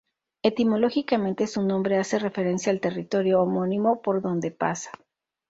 Etimológicamente su nombre hace referencia al territorio homónimo por donde pasa.